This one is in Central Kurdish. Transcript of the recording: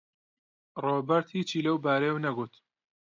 ڕۆبەرت هیچی لەو بارەیەوە نەگوت.